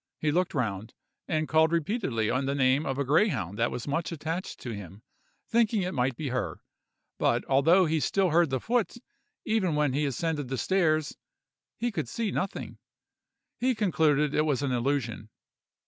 He looked round, and called repeatedly on the name of a grayhound that was much attached to him, thinking it might be her; but, although he still heard the foot, even when he ascended the stairs, as he could see nothing, he concluded it was an illusion.